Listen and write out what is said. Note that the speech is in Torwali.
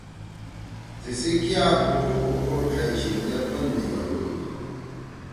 تیِسی کیا بُوکھو بُوکھو ڇھئی چھیندے پن نیگھلُودُود۔